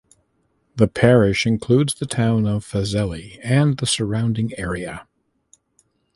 The parish includes the town of Fazeley and the surrounding area.